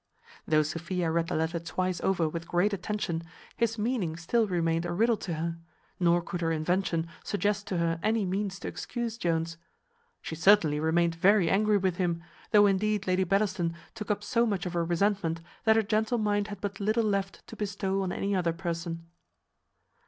Though Sophia read the letter twice over with great attention, his meaning still remained a riddle to her; nor could her invention suggest to her any means to excuse Jones. She certainly remained very angry with him, though indeed Lady Bellaston took up so much of her resentment, that her gentle mind had but little left to bestow on any other person.